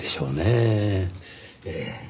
ええ。